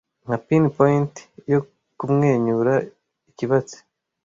Nka pin point yo kumwenyura, ikibatsi